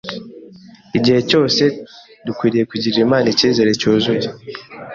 Igihe cyose dukwiye kugirira Imana icyizere cyuzuye.